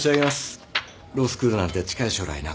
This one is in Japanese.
ロースクールなんて近い将来なくなりますよ。